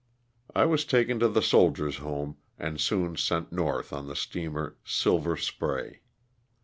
I was taken to the Soldiers' Home and soon sent north on the steamer " Silver Spray.''